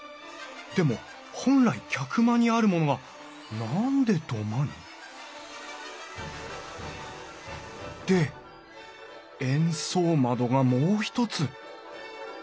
でも本来客間にあるものが何で土間に？で円相窓がもう一つ。